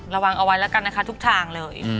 ระวังเอาไว้แล้วกันนะคะทุกทางเลย